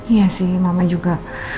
iya sih mama juga